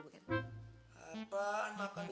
apaan makan disitu